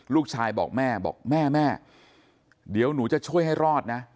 ลูกชายบอกแม่บอกแม่แม่เดี๋ยวหนูจะช่วยให้รอดนะ